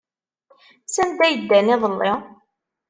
Sanda ay ddan iḍelli?